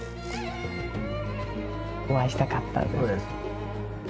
お会いしたかったです。